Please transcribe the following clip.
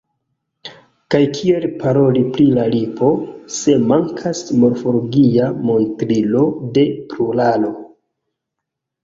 Kaj kiel paroli pri la lipoJ, se mankas morfologia montrilo de pluralo!